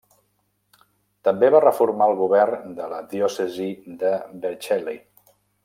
També va reformar el govern de la diòcesi de Vercelli.